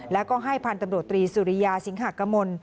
แล้วก็ให้พันธุ์ตำรวจตรีสุริยาสิงหากมล